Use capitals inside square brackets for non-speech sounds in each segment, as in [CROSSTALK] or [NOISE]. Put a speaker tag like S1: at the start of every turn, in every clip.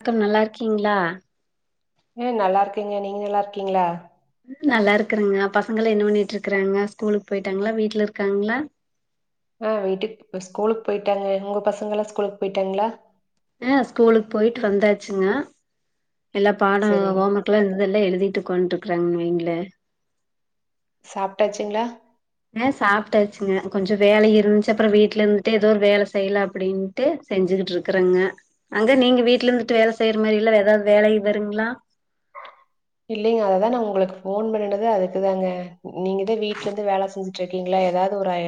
S1: க்கம் நல்லா இருக்கீங்ளா
S2: அ நல்லா இருக்கேங்க நீங்க நல்லா இருக்கீங்ளா
S1: நல்லா இருக்கறங்க பசங்களா என்ன பண்ணிட்ருக்கறாங்க ஸ்கூலுக்கு போயிட்டாங்களா வீட்ல இருக்காங்களா
S2: ஆ வீட்டுக் இப்ப ஸ்கூலுக்கு போய்ட்டாங்க உங்க பசங்கல்லா ஸ்கூலுக்கு போய்ட்டாங்ளா
S1: ஆ ஸ்கூலுக்கு போய்ட்டு வந்தாச்சுங்க எல்லா பாடோ
S2: சரிங்க
S1: ஹோம் ஒர்க் க்லா இந்ததெல்லா எழுதிட்டு உக்கான்ட்ருக்காங்கன் வைய்ங்ளே
S2: சாப்டாச்சுங்ளா
S1: அ சாப்டாச்சுங்க கொஞ்ச வேல இருந்துச்சு அப்பறோ வீட்ல இருந்துட்டு ஏதோ ஒரு வேல செய்யல அப்படின் ட்டு செஞ்சுகிட்டு இருக்றங்க அங்க நீங்க வீட்டல இருந்துட்டு வேல செய்ற மாரி எல்லா ஏதாவது வேலை வருங்ளா
S2: இல்லைங்க அத தா நா உங்களுக்கு ஃபோன் பண்ணுனது அதுக்குதாங்க நீங்க தா வீட்ல இருந்து வேல செஞ்சு ட்ருக்கீங்களா ஏதாவது ஒரு அ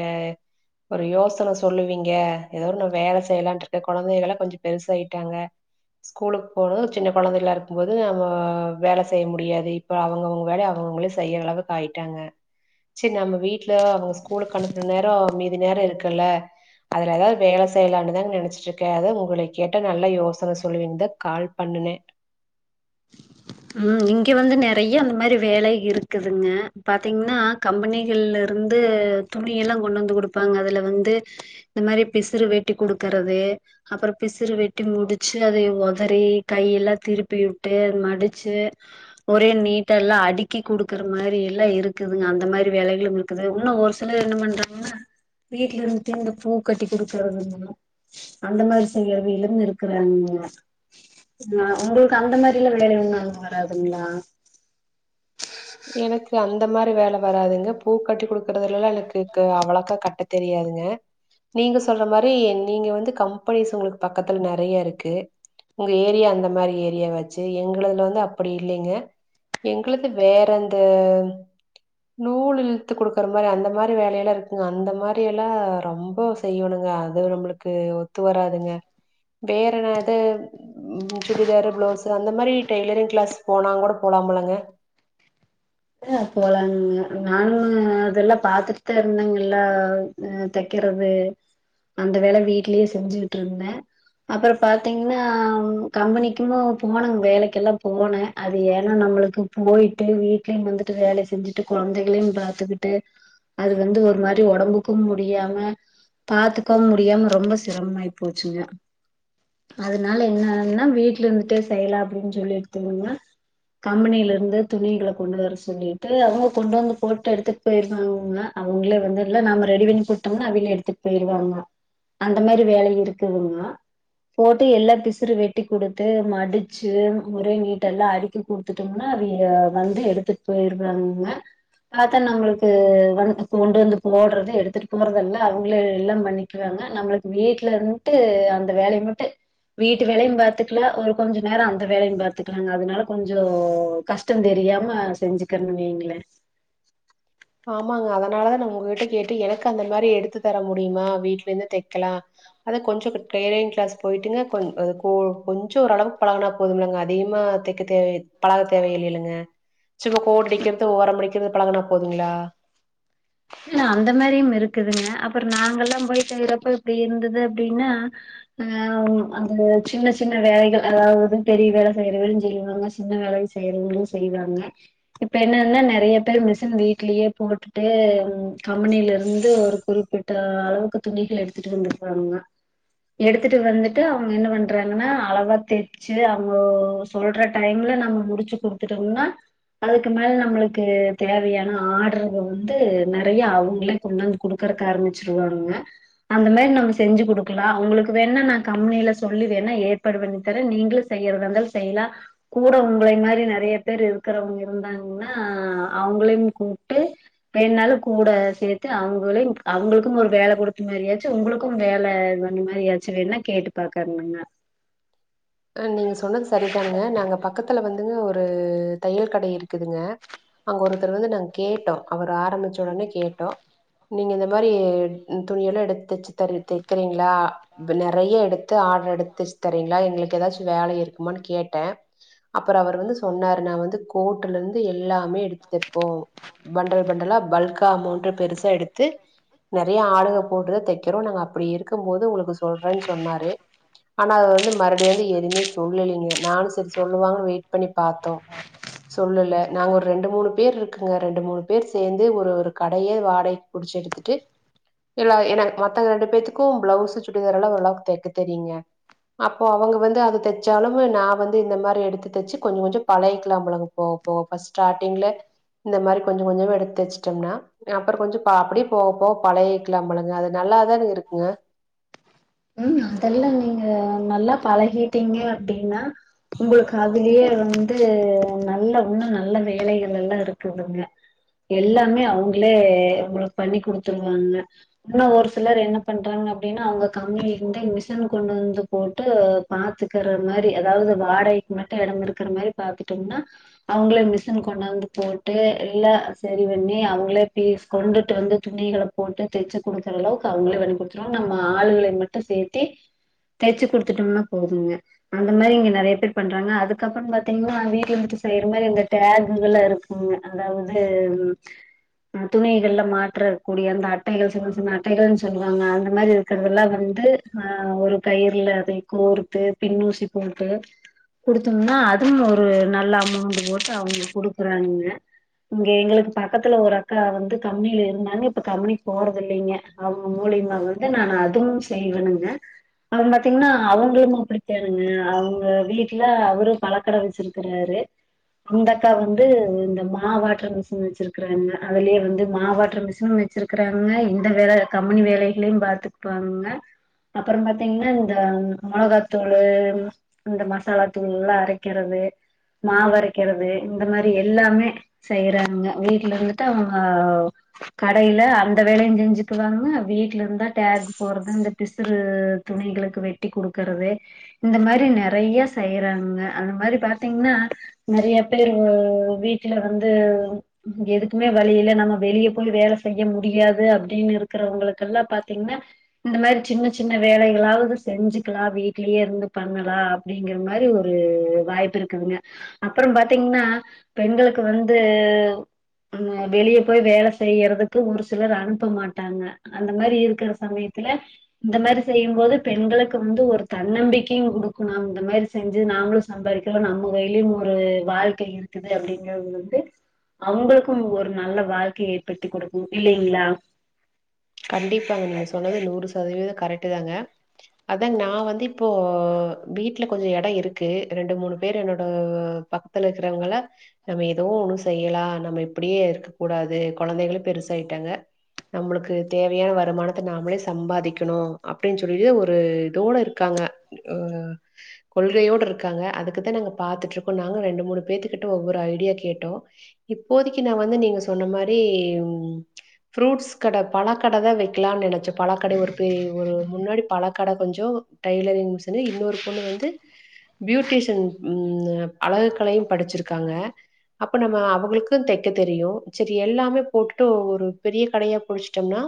S2: ஒரு யோசன சொல்லுவீங்க ஏதோ ஒரு நா வேல செய்யலான்ருக்க கொழந்தைகளா கொஞ்சோ பெருசா ஆயிட்டாங்க ஸ்கூலுக்கு போனது சின்னகொழந்தைகளா இருக்கும் போது நம்ம வேல செய்ய முடியாது இப்ப அவுங்கவுங்க வேலைய அவுங்கவுங்களே செய்ற அளவுக் ஆயிட்டாங்க ச்சி நம்ம வீட்ல அவுங்க ஸ்கூலுக்கு அனுப்புற நேரோ மீதி நேரோ இருக்குல்ல அதுல ஏதாவது வேல செய்யலானுதாங்க நெனச்சிட்ருக்க அதா உங்கள கேட்ட நல்லா யோசன சொல்லுவிங்கதா கால் பண்ண
S1: ம் இங்க வந்து நெறைய அந்த மாரி வேலை இருக்குதுங்க பாத்தீங்கனா கம்பெனிகள்ல இருந்து துணி எல்லா கொண்டு வந்து குடுப்பாங்க அதுல வந்து இந்த மாரி பிசுறு வேட்டி குடுக்கறது அப்புறோ பிசுறு வெட்டி முடிச்சு அதய ஒதறி கையெல்லா திருப்பி விட்டு மடிச் ச்சு ஒரே நீட்டா எல்லா அடுக்கி குடுக்கற மாரி எல்லா இருக்குதுங்க அந்த மாரி வேலைகளுக் இருக்குது இன்னு ஒரு சிலர் என்ன பண்றாங்கன்னா வீட்ல இருந்துட்டே இந்த பூ கட்டி குடுக்கறது அந்த மாரி செயறவிலும் இருக்றாங்கக நா வந்து அந்தமாரிலா வேல ஒண்ணு வராதுங்களா
S2: எனக்கு அந்த மாரி வேல வராதுங்க பூ கட்டி குடுக்கறதுல எல்லா எனக்கு அவ்ளோக்கா கட்ட தெரியாதுங்க நீங்க சொல்ற மாரி நீங்க வந்து கம்பெனிஸ் உங்களுக்கு பக்கத்துல நெறைய இருக்கு உங்க ஏரியா அந்த மாரி ஏரியா வாச்சு எங்கதுல வந்து அப்டி இல்லிங்க எங்களது வே வந்து நூல் இழுத்து குடுக்குற மாரி அந்த மாரி வேலையெல்லா இருக்குங்க அந்த மாரி எல்லா ரொம்ப செய்யுணுங்க அது நம்மளுக்கு ஒத்து வராதுங்க வேற என்னாது ம் சுடிதாரு பிளவுஸு அந்த மாரி டெய்லரிங் கிளாஸ் போனாங் கூட போலாம்போலங்க
S1: ஆ போலாம்லங்க நானு அதெல்லா பாத்துட்டு தா இருந்தெங்கல்லா அ தக்கெறது அந்த வேல வீட்லயே செஞ்சுட்டு இருந்தே அப்ரோ பாத்தீங்கனா கம்பெனிக்குமு போனேங் வேலைக்கெல்லாபோனே அது ஏன்னா நம்மளுக்கு போய்ட்டு வீட்லயும் வந்துட்டு வேல செஞ்சுட்டு கொழந்தைகளையும் பாத்துக்கிட்டு அது வந்து ஒரு மாரி ஒடம்புக்கும் முடியாம பாத்துக்கவு முடியாம ரொம்ப சிரமமாயி போச்சுங்க அதனால என்னான்னா வீட்ல இருந்துட்டே செய்யலா அப்டின் சொல்லி எடுத்தீங்கனா கம்பெனியில இருந்து துணிகள கொண்டு வர சொல்லிட்டு அவுங்க கொண்டு வந்து போட்டு எடுத்துட்டு போயிருவாங்கக அவுங்களே வந்து நாம ரெடி பண்ணி குடு ம்னா அவிங்களே எடுத்துட்டு போயிருவாங்க அந்த மாரி வேலையு இருக்குதுங்க போட்டு எல்லா பிசுறு வெட்டி குடுத்து மடிச்சு ஒரே நீட்ட எல்லா அடிக்கி குடுத்துட்டோம்ன்னா அவிக வந்து எடுத்துட் போய்ருவாங்கக பாத்தா நம்மளுக்கு வந்து கொண்டு வந்து போடுறது எடுத்துட்டு போறதல்ல அவுங்களே எல்லாபண்ணி க்காங்க நம்மளுக்கு வீட்ல இருந்துட்டு அந்த வேலய மட்டு வீட்டு வேலையு பாத்துக்கலா ஒரு கொஞ்ச நேரோ அந்த வேலயு பாத்துக்கலாங்க அதனால கொஞ்சோ கஷ் கஷ்டம் தெரியாம செஞ்சுக்கறெனு வெய்ங்களே
S2: ஆமாங்க அதனால தா நா ஒங்ககிட்ட கேட்டு எனக்கு அந்த மாரி எடுத்து தர முடியுமா வீட்ல இருந்து தெக்கலா அத கொஞ்ச டெய்லரிங் கிளாஸ் போய்டுங்க கொஞ் [UNINTELLIGIBLE] கொஞ்சோ ஓரளவுக்கு பழகுனா போதும்லங்க அதிகமா தெக் தெக்க தேவ பழக தேவ யில்ளேழுங்க சும்மா கோட் அடிக்கிறது ஓரம் மடிக்கிறது பழகுனா போதுங்களா
S1: இல அந்த மாரியும் இருக்குதுங்க அப்புறம் நாங்கல்லாம் போயி செய்றப்ப இப்டி இருந்தது அப்டின்னா ஆ அந்த சின்ன சின்ன வேலைகள் அதாவது பெரிய வேல [UNINTELLIGIBLE] செய்வோங்க சின்ன வேலை செய்யுரவ்ங்களு செய்வாங்க இப்ப என்னனா நெறைய பேர் மிஷின் வீட்லயே போட்டுட்டு கம்பனியில இருந்து ஒரு குறிப்பிட்ட அளவுக்கு துணிகள் எடுத்துட்டு வந்திருக்குறாங்க எடுத்துட்டு வந்துட்டு அவ்ங்க என்ன பண்றாங்கன்னா அளவா தேட் ச்சு அவுங்கோ சொல்ற டைம்ல நம்ம முடிச்சு குடுத்துடோம்னா அதுக்கு மேல நம்மளுக்கு தேவையான ஆர்டருக வந்து நெறைய அவங்களே கொண்டாந்து கொடுக்குறதுக்கு ஆரம்பிச்சிருவாங்க அந்த மாரி நம்ம செஞ்சு குடுக்கலா உங்களுக்கு வேனுணா நா கம்பெனிய்ல சொல்லி வேணா ஏற்பாடு பண்ணி தரே நீங்களு செய்யிறதா இருந்தாலு செய்லா கூட உங்களைய மாரி நெறைய பேர் இருக்கிறவங்க இருந்தாங்ன்னா அவங்களையும் கூப்ட்டு இப்ப என்னாலப் கூட சேத்து அவங்களையு அவங்களுக்கும் ஒரு வேல குடுத்த மாரி ஆச்சு உங்களுக்கும் வேல பண்ண மாரிய ஆச்சு வேணா கேட்டு பாக்கருனுங்க
S2: நீங்க சொன்னது சரிதானுங்க நாங்க பக்கத்துல வந்துங்க ஒரு தையல் கடை இருக்குதுங்க அங்க ஒருத்தர் வந்து நாங்க கேட்டோ அவர் ஆரம்பிச்ச ஒடனே கேட்டோ நீங்க இந்த மாதிரி தூணியல்லா எடுத்து தச்சு தரு தக்கிறுங்ளா நறைய எடுத்து ஆட்ரு எடுத்து தச்சு தரீங்ளா எங்களுக்கு ஏதாச்சு வேல இருக்குமானு கேட்டே அப்பறோ அவர் வந்து சொன்னாரு நா வந்து கோட்டுல இருந்து எல்லாமே எடுத்து தப்போ பண்டல் பண்டலா பல்கா மூன்று பெருசா எடுத்து நறைய ஆழுங்க போட்டுதா தைக்கிறோ நாங்க அப்டி இருக்கும்போது உங்ளுக்கு சொல்றேன் சொன்னாரு ஆனா அவரு வந்து மறு அப்டிய வந்து எதுமே சொல்லலீங்க நானு சரி சொல்லுவாங்கன் வெயிட் பண்ணி பாத்தோ சொல்லல்ல நாங்க ஒரு ரெண்டு மூணு பேர் இருக்குங்க ரெண்டு மூணு பேர் சேந்து ஒரு ஒரு கடைய வாடகைக்கு புடிச்சு எடு ட்டு இல்ல என மத்தங்க ரெண்டு பேத்துக்கு ப்ளவுஸ் சுடிதார் எல்லா ஓரளவுக்கு தக்க தெரியுங்க அவுங்க வந்து அது தச்சாலு நா வந்து இந்த மாரி எடுத் தச்சு கொஞ்சோ கொஞ்சோ பழக்கிக்லாம்லங்க போக போக ஃபஸ்ட்ட ஸ்டாட்டிங்ல இந்த மாரி கொஞ்சோ கொஞ்சோமா எடுத்து தச்ட்டோம்னா அப்றோ கொஞ்சோ அப்டியே போக போக பழகிக்லாம்லங்க அது நல்லாதான இருக்குங்க
S1: ம் அதெல்லா நீங்க நல்லா பழகிட்டீங்க அப்டினா உங்ளுக்கு அதுலியே வந்து நல்ல ஒண்ணு நல்ல வேலைகள் எல்லா இருக்குதுங்க எல்லாமே அவுங்ளே ஃபுல் பண்ணி் குடுத்துருவாங்க இன்னோ ஒரு சிலர் என்ன பண்றாங்க அப்டின்னா அவுங்க கம்பனி இருந்தே மிஷின் கொண்டு வந்து போட்டு பாத்துக்குற மாரி அதாவ்து வாடகை மட்டு எடோ இருக்கிற மாதிரி பாத்துட்டோம்னா அவுங்ளே மிஷின் கொண்டு வந்து போட்டு எல்லா சரி பண்ணி அவுங்களே பீஸ் கொண்டுட்டு வந்து துணிகள போட்டு தெச்சு குடுக்கற அளவுக்கு அவங்களே பண்ணி் கொடுத்டுதுவாங்க நம்ம ஆளுகள மட்டு சேத்தி தெச்சு குடுத்துட்டோனா போதுங்க அந்த மாரி இங்க நறைய பேர் பண்றாங்க அதுக்கப்றோ பாத்திங்கன்னா நா வீட்ல இருந்துட்டு செய்ற மாரி அந்த டேக்குஹல இருக்கு ம் அதாவ்து துணிகள்ல மாற்றக்கூடிய அந்த அட்டைகள் சின்ன சின்ன அட்டைகள் சொல்லுவாங்க அந்த மாதிரி இருக்கிறதுல்லா வந்து ஆ ஒரு கயிர்ல அதை கோர்த்து பின்னூசி போட்டு குடுத்தோம்னா அதுவு ஒரு நல்ல அமௌண்ட் போட்டு அவுங்க குடுக்குறாங்க இங்க எங்களுக்கு பக்கத்துல ஒரு அக்கா வந்து கம்பனியில இருந்தாங்க இப்ப கம்பனிக்கு போறது இல்லங்க அவுங்க மூலியமா வந்து நா அதுவு செய்வணுங்க அப்றோ பாத்திங்ன்னா அவங்களும்மே அப்டித்தானுங்க அவுங்க வீட்டனல அவருமன பலக்கடை வச்சிருக் காரு அந்த அக்கா வந்து இந்த மா வாட்ர மிஷினு வச்சிருக்குறாங்க அதுலயே வந்து மா வாட்ர மிஷினு வச்சிருக்குறாங்க இந்த வேல கம்பேனி வேலைகளையு பாத்துப்பாங்க அப்றோ பாத்திங்ன்னா இந்த மொளகாத்தூள்ளு இந்த மசாலா தூள்ளா அரைக்கிறது மாவு அரைக்கிறது இந்த மாதிரி எல்லாமே வீட்ல இருந்துட்டு அவுங்க கடையில அந்த வேலையு செஞ்சுக்குவாங்க வீட்ல இருந்தா டேக் போட்றது இ பிசிறு துணிகளுக்கு வெட்டி குடுக்குறது இந்த மாதிரி நறைய செய்றாங்க அந்த மாதிரி பாத்திங்ன்னா நறைய பேர் வீட்ல வந்து எதுக்குமே வழி இல்ல நம்ம வெளியே போய் வேல செய்ய முடியாது அப்டின்னு இருக்கிறவங்களுக்கெல்லா பாத்திங்ன்னா இந்த மாரி சின்ன சின்ன வேலைகளாவது செஞ்சுக்லா வீட்லயே இருந்து பண்ணலா அப்டிங்கிற மாரி ஒரு வாய்ப்பு இருக்குதுங்க அப்றோ பாத்திங்ன்னா பெண்களுக்கு வந்து ஆ வெளியே போய் வேல செய்யறதுக்கு ஒரு சிலர் அனுப்ப மாட்டாங்க அந்த மாதிரி இருக்குற சமயத்துல இந்த மாதிரி செய்யும் போது பெண்களுக்கு வந்து ஒரு தன்னம்பிக்கையு கொடுக்கும் நாம்ம இந்த மாதிரி செஞ்சு நாமளு சாம்பரிகுரோ நம்ம கையிலையு ஒரு வாழ்க்க இருக்குது அப்டிங்கறது வந்து அவங்களுக்கும் ஒரு நல்ல வாழ்க்கைய ஏற்படுத்தி கொடுக்கும் இல்லிங்களா
S2: கண்டிப்பாங்க நீங்க சொன்னது நூறு சதவீத கரெக்ட் தாங்க அதாங்க நா வந்து இப்போ வீட்டுல கொஞ்ச இட இருக்கு ரெண்டு மூணு பேர் என்னோட ப [UNINTELLIGIBLE] இருக்குறவங்கள நம்ம எதோ ஒண்ணும் செய்யலா நம்ம இப்டியே இருக்க கூடாது குழந்தைகளும் பெருசாயிட்டாங்க நம்மளுக்கு தேவையான வருமானத்த நாமளே சம்பாதிக்கணு அப்டின்னு சொல்லிட்டு ஒரு இதோட இருக்காங்க ம்ம் கொள்கையோடு இருக்காங்க அதுக்குதா நாங்க பாத்துட்டு இருக்கோ நாங்க ரெண்டு மூணு பேத்துக்கிட்ட ஒவ்வொரு ஐடியா கேட்டோ இப்போதைக்கு நா வந்து நீங்க சொன்ன மாரி ம் ஃப்ரூட்ஸ் கட பழக்கடதா வைக்கலாம்னு நினைச்சோ பழக்கட ஒரு பெரிய ஒரு முன்னாடி பல கட கொஞ்ச டைலரிங் மிஷு இன்னொரு பொண்ணு வந்து பியூட்டிசியன் ம் அழகுகளையும் படிச்சிருக்காங்க அப்ப நம்ம அவங்களுக்கும் தைக்க தெரியும் சேரி எல்லாமே போட்டுட்டு ஒரு பெரிய கடயா பொடிச்சு புடிச்சும்ன்னா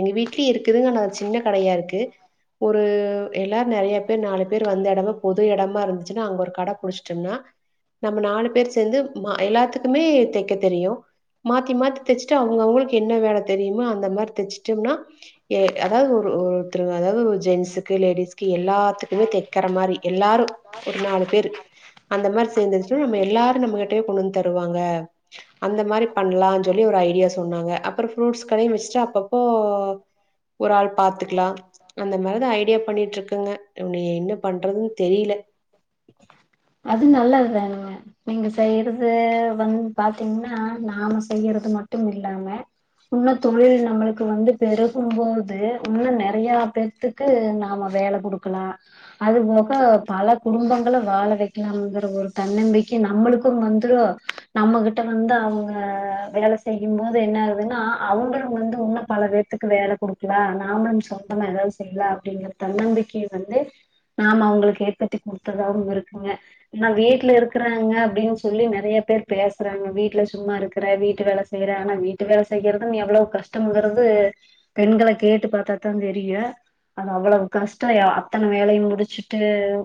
S2: எங்க வீட்லயு இருக்குதுங்க ஆனா சின்ன கடையா இருக்கு ஒரு எல்லாரு நெறைய பேர் நாலு பேர் வந்த இடமா பொது இடமா இருந்துச்சுன்னா அங்க ஒரு கட புடிச்சட்டோம்னா நம்ம நாலு பேர் சேர்ந்து அ எல்லாத்துக்குமே தைக்க தெரியும் மாத்தி மாத்தி தைச்சுட்டு அவங்கவுங்களுக்கு என்ன வேல தெரியுமோ அந்த மாதிரி தைச்சுட்டம்னா அதாவது ஒரு ஒருத்த அதாவது ஜென்ஸுக்கு லேடிஸ்க்கு எல்லாத்துக்குமே தைக்கிற மாதிரி எல்லாரும் ஒரு நாலு பேர் அந்த மாதிரி சேர்ந்துச்சுா நம்ம எல்லாரு நம்மகிட்டயே கொண்டு வந்து தருவாங்க அந்த மாதிரி பண்ணலான் சொல்லி ஒரு ஐடியா சொன்னாங்க அப்பற ஃப்ரூட்ஸ் கடையு வச்சுட்டு அப்பப்போ ஒரு ஆள் பாத்துக்கலா அந்த மாதிரிதா ஐடியா பண்ணிட்டு இருக்கங்க இ நீ என்ன பண்றதுன்னு தெரில
S1: அது நல்லதுதானானங்க நீங்க செய்யறது வந்து பாத்தீங்கன்னா நாம செய்யறது மட்டும் இல்லாம உன்ன தொழில் நம்மளுக்கு வந்து பெருகும் போது உன்னு நெறைய பேர் ஏதுக்கு நாம வேலை கொடுக்கலா அது போக பல குடும்பங்கள வாழ வைக்க நம்மளுக்கு ஒரு தன்னம்பிக்க நம்மளுக்கும் வந்துடும் நம்மகிட்ட வந்து அவங்க வேல செய்யும் போது என்ன ஆகுதுன்னா அவங்களும் வந்து இன்னும் பல பேத்துக்கு வேலை கொடுக்கல நாமளும் சொந்தமா ஏதாவது செரிங்களா அப்டிங்கற தன்னம்பிக்கையை வந்து நாம அவங்களுக்கு ஏற்பத்தி கொடுத்ததாகாவு இருக்குங்க நா வீட்டுல இருக்கறாங்க அப்டின்னு சொல்லி நெறைய பேர் பேசுறாங்க வீட்டுல சும்மா இருக்கிற வீட்டு வேலை செய்யற ஆனா வீட்டு வேல செய்ரங்கறது எவ்வளவு கஷ்டங்கிறது பெண்கள கேட்டு பாத்தாதா தெரியு அது அவ்ளவு கஷ்ட அத்தனை வேலையு முடிச்சிட்டு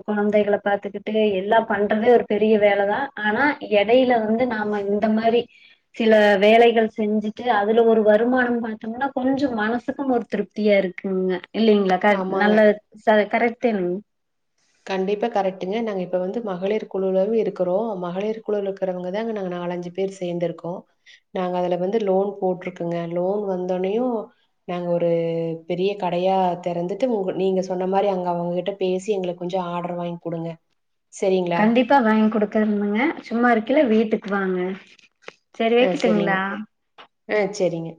S1: குழந்தைகள பாத்துக்கிட்டு ட்டு எல்லாம் பண்றதே ஒரு பெரிய வேலைதா ஆனா எடையில வந்து நாம இந்த மாதிரி சில வேலைகள் செஞ்சிட்டு அதுல ஒரு வருமான பாத்தோம்ன்னா கொஞ்ச மனசுக்கும் ஒரு திருப்தி தியா இருக்குங்க இல்லீங்களா கரெக்ட்
S2: ஆமாங்க.
S1: நல்ல கரெக்ட்டன்னுங்க
S2: கண்டிப்பா கரெக்டுங்க நாங்க இப்போ வந்து மகளிர் குழுவுல இருக்கிறோ மகளிர் குழு இருக்கிறவங்க தாங்க நாங்க நாலஞ்சு பே பேர் சேர்ந்திருக்கோ நாங்க அதுல வந்து லோன் போட்டிருக்கோங்க லோன் வந்தோனையு நாங்க ஒரு பெரிய கடையா திறந்துட்டு உங்க நீங்க சொன்ன மாதிரி அங்க அவங்ககிட்ட பேசி எங்களுக்கு கொஞ்ச ஆர்டர் வாங்கி கொடுங்க சரிங்களா
S1: த்தா வாங்கி குடுக்கற இருந்தங்க சும்மா இருக்கைல வீட்டுக்கு வாங்க சரி
S2: ஆ செரிங்க
S1: வைக்கட்டுங்களா
S2: ஆ செரிங்க